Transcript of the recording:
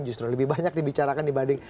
justru lebih banyak dibicarakan dibanding